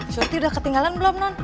cuti udah ketinggalan belum non